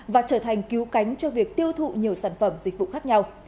và trở thành cứu cánh cho việc tiêu thụ nhiều sản phẩm dịch vụ khác nhau